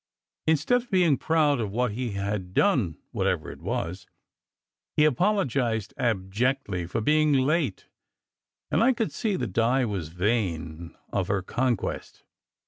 Instead of being proud of what he had done, whatever it was, he apologized abjectly for "being late," and I could see that Di was vain of her con quest.